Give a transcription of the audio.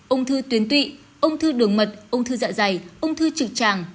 ung thư tuyến tụy ung thư đường mật ung thư dạ dày ung thư trực tràng